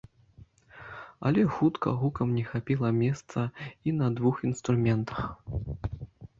Але хутка гукам не хапіла месца і на двух інструментах.